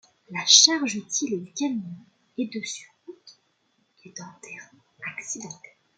La charge utile du camion est de sur route et de en terrain accidenté.